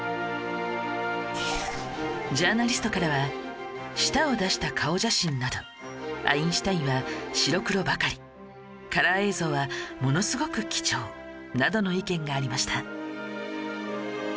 ジャーナリストからは舌を出した顔写真などアインシュタインは白黒ばかりカラー映像はものすごく貴重などの意見がありました